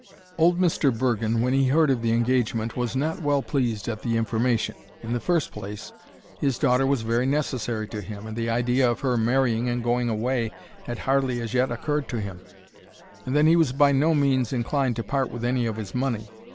Old Mr. Bergen, when he heard of the engagement, was not well pleased at the information. In the first place, his daughter was very necessary to him, and the idea of her marrying and going away had hardly as yet occurred to him; and then he was by no means inclined to part with any of his money.